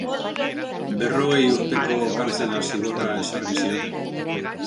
Berrogei urteko kartzela zigorra ezarri zioten.